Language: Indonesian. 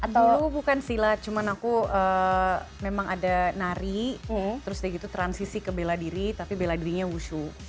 atau bukan silat cuman aku memang ada nari terus udah gitu transisi ke bela diri tapi bela dirinya wushu